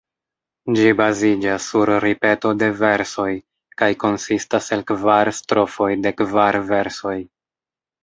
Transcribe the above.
Ĝi baziĝas sur ripeto de versoj, kaj konsistas el kvar strofoj de kvar versoj.